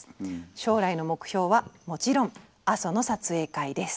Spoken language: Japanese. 将来の目標はもちろん阿蘇の撮影会です」。